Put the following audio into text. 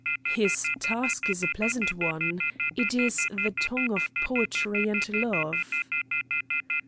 "His task is a pleasant one. It is the tongue of poetry and love."